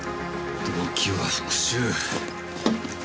動機は復讐。